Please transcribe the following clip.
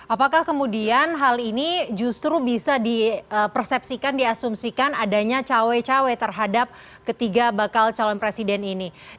apakah kemudian hal ini justru bisa dipersepsikan diasumsikan adanya cawe cawe terhadap ketiga bakal calon presiden ini